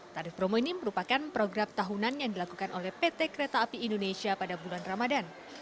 tarif promo ini merupakan program tahunan yang dilakukan oleh pt kereta api indonesia pada bulan ramadan